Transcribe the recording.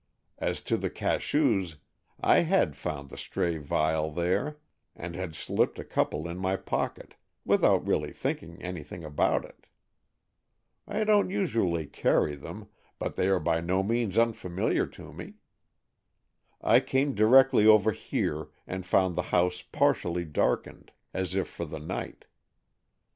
As to the cachous, I had found the stray vial there, and had slipped a couple in my pocket, without really thinking anything about it. I don't usually carry them, but they are by no means unfamiliar to me. I came directly over here, and found the house partially darkened, as if for the night.